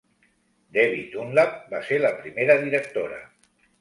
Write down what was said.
Debbie Dunlap va ser la primera directora.